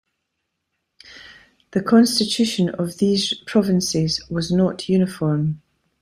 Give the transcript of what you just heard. The constitution of these provinces was not uniform.